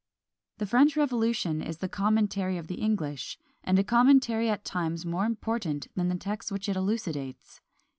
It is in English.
The French Revolution is the commentary of the English; and a commentary at times more important than the text which it elucidates.